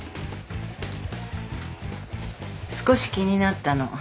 少し気になったの。